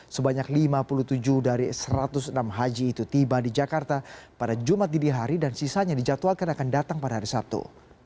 sebanyak lima puluh tujuh dari satu ratus enam haji itu tiba di jakarta pada jumat dini hari dan sisanya dijadwalkan akan datang pada hari sabtu